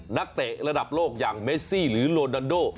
เตะระดับโลกอย่างเมซี่หรือโลดอนโด